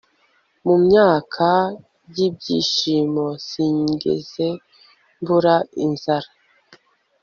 mumyaka yibyishimo sinigeze mbura inzira